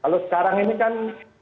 kalau sekarang ini kan